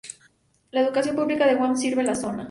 La educación pública de Guam sirve la zona.